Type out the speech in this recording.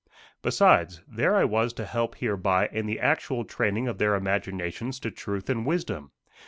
Besides, there I was to help hereby in the actual training of their imaginations to truth and wisdom.